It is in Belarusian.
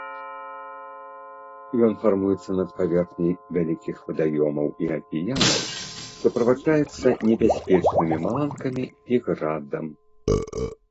Ён фармуецца над паверхняй вялікіх вадаёмаў і акіянаў, суправаджаецца небяспечнымі маланкамі і градам.